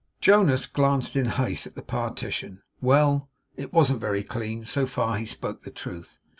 Jonas glanced in haste at the partition. Well. It wasn't very clean. So far he spoke the truth.